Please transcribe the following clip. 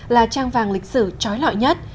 là trang vàng lịch sử trói lõi nhất